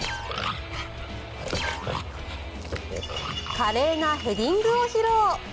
華麗なヘディングを披露。